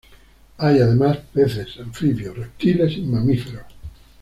Hay además peces, anfibios, reptiles y mamíferos.